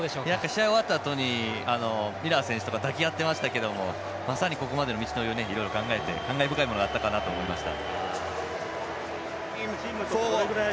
試合終わったあとにミラー選手とか抱き合ってましたけどまさにここまでの道のりを考えて感慨深いものがありました。